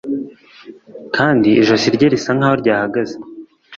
kandi ijisho rye risa nkaho ryahagaze